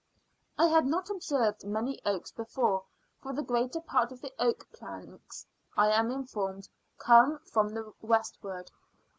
I had not observed many oaks before, for the greater part of the oak planks, I am informed, come from the westward.